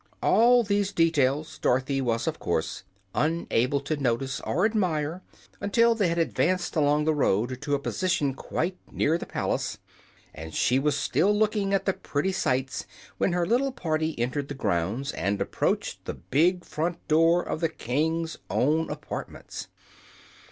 All these details Dorothy was, of course, unable to notice or admire until they had advanced along the road to a position quite near to the palace, and she was still looking at the pretty sights when her little party entered the grounds and approached the big front door of the king's own apartments.